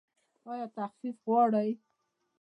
ایا تخفیف غواړئ؟